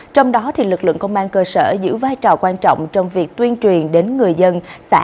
trong đó lực lượng công an cơ sở giữ vai trò quan trọng trong việc tuyên truyền đến người dân